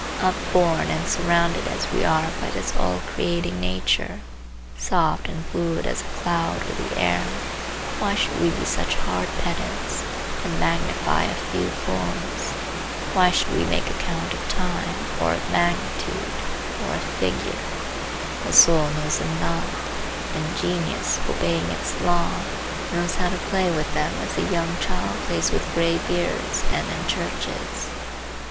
Upborne and surrounded as we are by this all creating nature, soft and fluid as a cloud or the air, why should we be such hard pedants, and magnify a few forms? Why should we make account of time, or of magnitude, or of figure? The soul knows them not, and genius, obeying its law, knows how to play with them as a young child plays with graybeards and in churches.